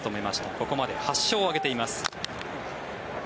ここまで８勝を挙げています。